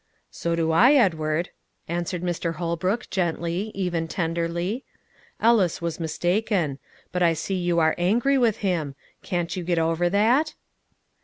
"So do I, Edward," answered Mr. Holbrook gently, even tenderly. "Ellis was mistaken. But I see you are angry with him; can't you get over that?"